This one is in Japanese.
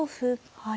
はい。